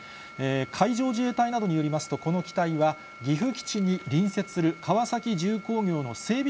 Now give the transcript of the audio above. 海上自衛隊などによりますと、この機体は、岐阜基地に隣接する川崎重工業の整備